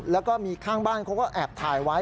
แล้วก็มีข้างบ้านเขาก็แอบถ่ายไว้